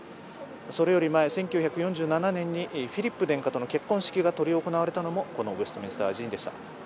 それより前、１９４７年にフィリップ殿下との結婚式が執り行われたのも、このウェストミンスター寺院でした。